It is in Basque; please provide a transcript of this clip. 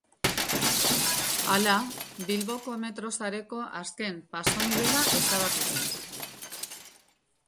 Hala, Bilboko metro sareko azken pasonibela ezabatu zen.